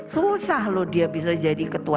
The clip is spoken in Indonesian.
susah loh dia bisa jadi ketua